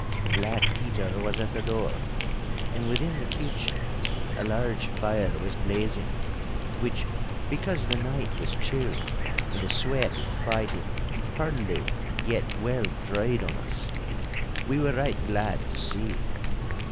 Black Peter was at the door, and within the kitchen a large fire was blazing, which, because the night was chill and the sweat of fighting hardly yet well dried on us, we were right glad to see.